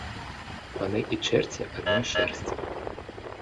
Паны і чэрці адной шэрсці